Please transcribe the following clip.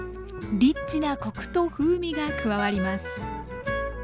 リッチなコクと風味が加わります。